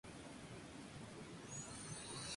No fue posible.